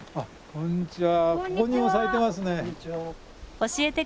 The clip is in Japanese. こんにちは。